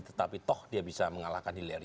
tetapi toh dia bisa mengalahkan hillary